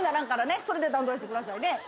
それで段取りしてくださいね。